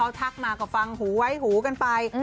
ทักมาก็ฟังหูไว้หูกันไป